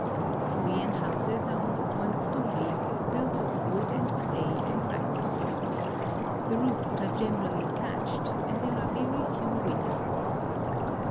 The Korean houses are of one story, built of wood and clay and rice straw. The roofs are generally thatched, and there are very few windows.